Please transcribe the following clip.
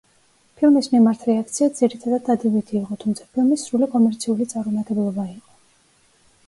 ფილმის მიმართ რეაქცია ძირითადად დადებითი იყო, თუმცა, ფილმი სრული კომერციული წარუმატებლობა იყო.